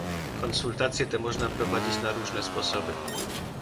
Konsultacje te można prowadzić na różne sposoby